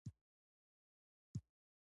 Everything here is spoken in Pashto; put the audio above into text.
د کالیفورنیم په اټوم بم کې کارول کېږي.